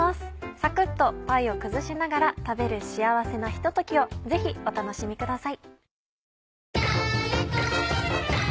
サクっとパイを崩しながら食べる幸せなひとときをぜひお楽しみください。